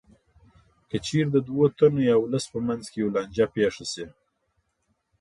که چېرې د دوو تنو یا ولس په منځ کې یوه لانجه پېښه شي